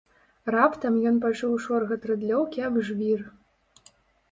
Раптам ён пачуў шоргат рыдлёўкі аб жвір.